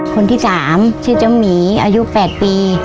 คนที่๓ชื่อเจ้าหมีอายุ๘ปี